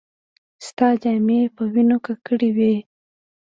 ستا جامې په وينو ککړې وې.